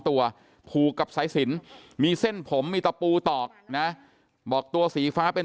ตัวผูกกับสายสินมีเส้นผมมีตะปูตอกนะบอกตัวสีฟ้าเป็น